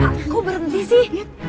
pak kok berhenti sih